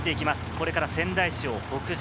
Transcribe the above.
これから仙台市を北上。